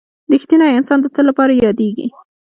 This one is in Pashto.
• رښتینی انسان د تل لپاره یادېږي.